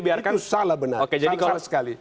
itu salah benar jadi salah sekali